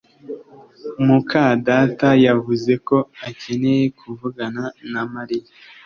muka data yavuze ko akeneye kuvugana na Mariya